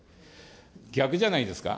逆じゃないですか。